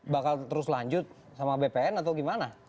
bakal terus lanjut sama bpn atau gimana